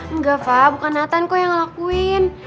enggak pak bukan nathan kok yang ngelakuin